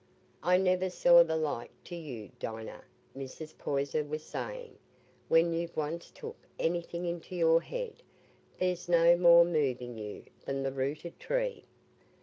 "I never saw the like to you, Dinah," Mrs. Poyser was saying, "when you've once took anything into your head: there's no more moving you than the rooted tree.